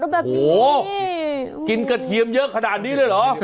แบบนี้